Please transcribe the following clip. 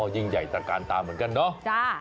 ยิ่งใหญ่ตะการตาเหมือนกันเนาะ